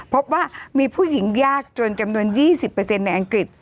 พบว่ามีผู้หญิงยากจนจำนวน๒๐ในอังกฤษ